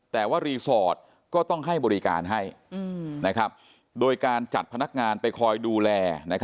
แต่ว่ารีสอร์ทก็ต้องให้บริการให้โดยการจัดพนักงานไปคอยดูแล